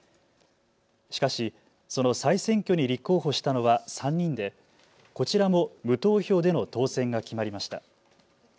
しかし、その再選挙に立候補したのは３人でこちらも無投票での当選が決まりました。